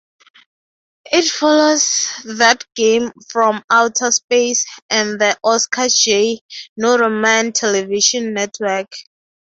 It follows "That Game from Outer Space" and "The Oscar J. Noodleman Television Network".